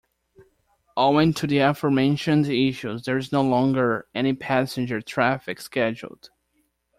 Owing to the aforementioned issues, there is no longer any passenger traffic scheduled.